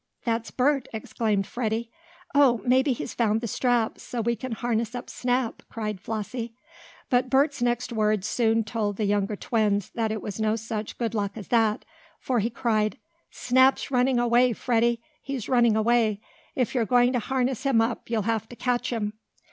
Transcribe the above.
"That's Bert!" exclaimed Freddie. "Oh, maybe he's found the straps, so we can harness up Snap," cried Flossie. But Bert's next words soon told the younger twins that it was no such good luck as that, for he cried: "Snap's running away, Freddie! He's running away. If you're going to harness him up you'll have to catch him!"